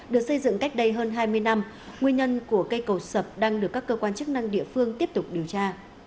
được xây dựng cách đây hơn hai mươi năm nguyên nhân của cây cầu sập đang được các cơ quan chức năng địa phương tiếp tục điều tra